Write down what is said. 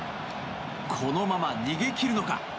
このまま逃げ切るのか。